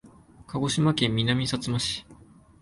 鹿児島県南さつま市